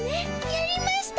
やりました。